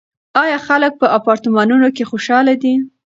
آیا خلک په اپارتمانونو کې خوشحاله دي؟